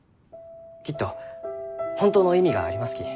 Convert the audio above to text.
きっと本当の意味がありますき。